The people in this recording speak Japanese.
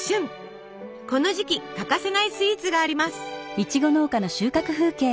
この時期欠かせないスイーツがあります。